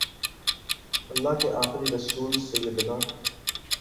اللہ کے آخری رسول سیدنا